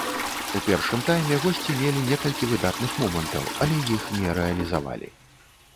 У першым тайме госці мелі некалькі выдатных момантаў, але іх не рэалізавалі.